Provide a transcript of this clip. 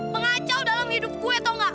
pengacau dalam hidup gue tau gak